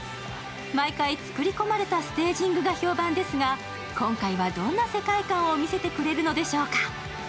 毎回作り込まれたステージングが評判ですが、今回はどんな世界観を見せてくれるのでしょうか。